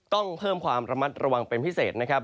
ต้องเพิ่มความระมัดระวังเป็นพิเศษนะครับ